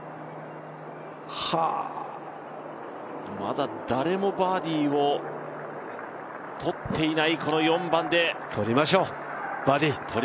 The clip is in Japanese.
まだ誰もバーディーを取っていないこの４番で取りましょう。